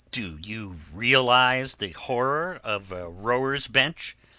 "Do you realize the horror of the rower's bench?